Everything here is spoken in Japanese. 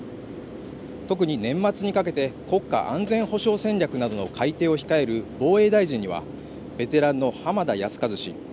特に年末にかけて国家安全保障戦略などの改定を控える防衛大臣にはベテランの浜田靖一氏